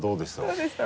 どうでした？